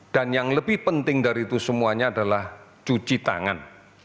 yang lebih penting dari itu semuanya adalah cuci tangan